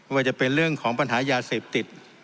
ว่าจะเป็นเรื่องของปัญหายาเสพติด